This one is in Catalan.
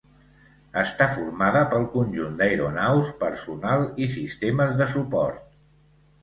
Està formada pel conjunt d'aeronaus, personal i sistemes de suport.